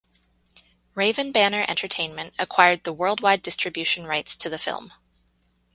Raven Banner Entertainment acquired the worldwide distribution rights to the film.